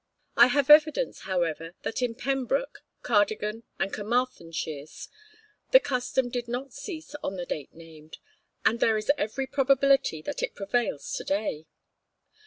I have evidence, however, that in Pembroke, Cardigan, and Carmarthen shires, the custom did not cease on the date named, and there is every probability that it prevails to day.